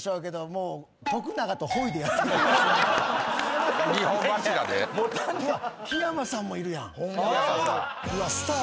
うわっ木山さんもいるやん。